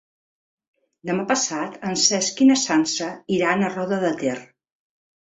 Demà passat en Cesc i na Sança iran a Roda de Ter.